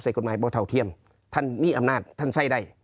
ใส่กฎไม้เพราะเท่าเทียมท่านมีอำนาจท่านใส่ได้